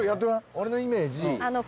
俺のイメージ。